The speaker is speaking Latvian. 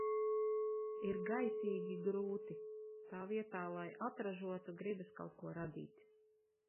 Ir gaisīgi grūti. Tā vietā lai atražotu, gribās kaut ko radīt.